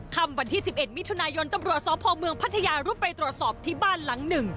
คำบันที่สิบเอ็ดมิถุนายนตรับรวจสอบพลเมืองพัทยารุเปรย์ตรวจสอบที่บ้านหลังหนึ่ง